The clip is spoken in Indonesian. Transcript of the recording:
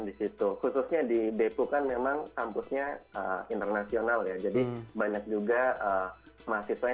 disitu khususnya di depokan memang kampusnya internasional ya jadi banyak juga mahasiswa